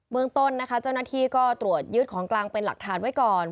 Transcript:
เมืองต้นนะคะเจ้าหน้าที่ก็ตรวจยึดของกลางเป็นหลักฐานไว้ก่อน